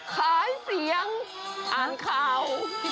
ขายเสียงอ่านข่าว